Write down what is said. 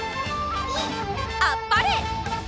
あっぱれ！